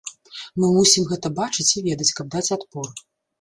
Мы мусім гэта бачыць і ведаць, каб даць адпор.